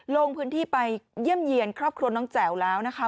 ลงพื้นที่ไปเยี่ยมเยี่ยนครอบครัวน้องแจ๋วแล้วนะคะ